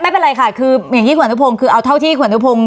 ไม่เป็นไรค่ะคืออย่างที่คุณอนุพงศ์คือเอาเท่าที่คุณอนุพงศ